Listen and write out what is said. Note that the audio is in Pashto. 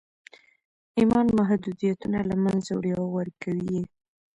ایمان محدودیتونه له منځه وړي او ورکوي یې